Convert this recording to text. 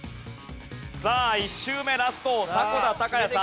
さあ１周目ラスト迫田孝也さん。